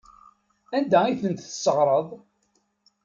Anda ay ten-tesseɣreḍ?